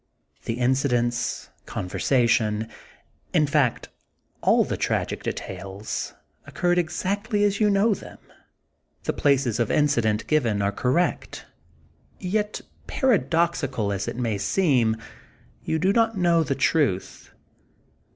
The incidents, conversation, in fact all the tragic details, occurred exactly as you know them; the places of incident given are correct, ŌĆö yet, paradoxi cal as it may seem, you do not know the truth.